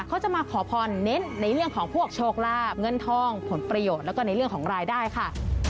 เขาจะมาขอพรเน้นในเรื่องของพวกโชคลาบเงินทองผลประโยชน์แล้วก็ในเรื่องของรายได้ค่ะ